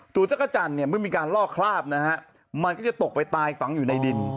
จักรจันทร์เนี่ยเมื่อมีการล่อคราบนะฮะมันก็จะตกไปตายฝังอยู่ในดิน